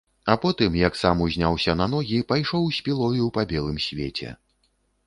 А потым, як сам узняўся на ногі, пайшоў з пілою па белым свеце.